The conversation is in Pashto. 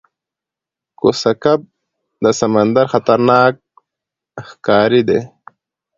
کوسه کب د سمندر خطرناک ښکاری دی